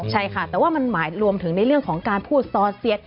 ใช่ค่ะแต่ว่ามันหมายรวมถึงในเรื่องของการพูดสอดเซียส